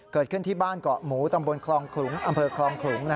เกิดขึ้นที่บ้านเกาะหมูตำบลอำเพลิงคลองเขลง